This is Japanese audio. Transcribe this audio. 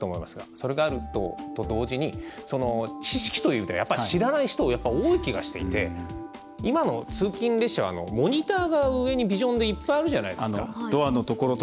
それがあると同時に知識というので知らない人、多い気がしていて今の通勤列車はモニターが上にビジョンでいっぱいあるじゃないですか。